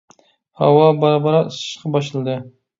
ھاۋا بارا-بارا ئىسسىشقا باشلىدى.